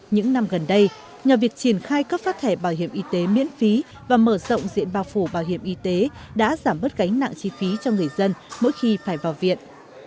những năm gần đây nhờ việc triển khai cấp phát thẻ bảo hiểm y tế miễn phí và mở rộng diện bao phủ bảo hiểm y tế đã giảm bớt gánh nặng chi phí cho người dân mỗi khi phải vào viện